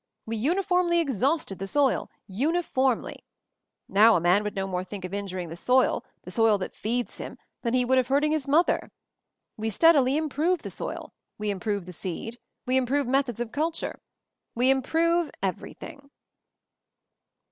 We uniformly exhausted the soil — uniformly! N|ow a man would no more think of injur ing the soil, the soil that feeds him, than he would of hurting his mother. We steadily improve the soil; we improve the seed; we improve methods of culture; we improve everything."